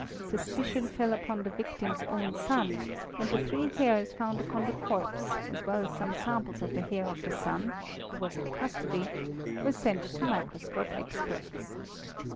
Suspicion fell upon the victim's own son and the three hairs found upon the corpse as well as some samples — of the hair of the son (who was in custody) were sent to microscope experts.